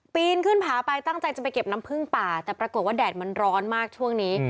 นขึ้นผาไปตั้งใจจะไปเก็บน้ำพึ่งป่าแต่ปรากฏว่าแดดมันร้อนมากช่วงนี้